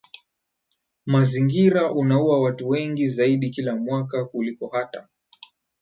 mazingira unaua watu wengi zaidi kila mwaka kuliko hata